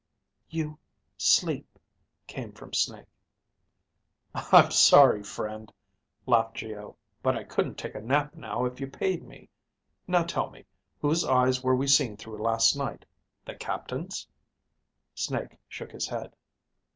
You ... sleep, came from Snake. "I'm sorry, friend," laughed Geo. "But I couldn't take a nap now if you paid me. Now tell me, whose eyes were we seeing through last night? The captain's?" Snake shook his head.